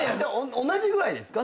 同じぐらいですか？